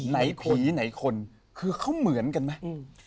ผีไหนคนคือเขาเหมือนกันไหม